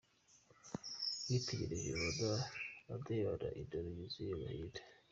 Mwitegereje, mbona andebana indoro yuzuyemo agahinda.